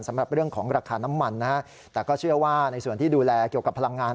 สำหรับเรื่องของราคาน้ำมันนะฮะแต่ก็เชื่อว่าในส่วนที่ดูแลเกี่ยวกับพลังงาน